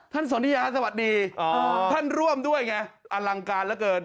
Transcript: สนทิยาสวัสดีท่านร่วมด้วยไงอลังการเหลือเกิน